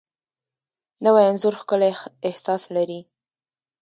نوی انځور ښکلی احساس لري